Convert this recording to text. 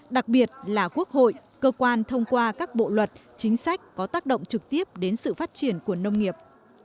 đặc biệt là quốc hội cơ quan thông qua các bộ luật chính sách có tác động trực tiếp đến sự phát triển của nông nghiệp